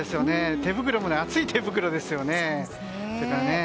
手袋も厚い手袋ですよね。